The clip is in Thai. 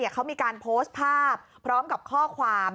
เขามีการโพสต์ภาพพร้อมกับข้อความ